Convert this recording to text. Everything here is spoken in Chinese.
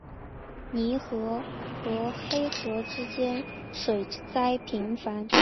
泥河和黑河之间水灾频繁。